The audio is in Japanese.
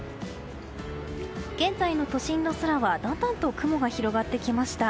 現在の都心の空はだんだんと雲が広がってきました。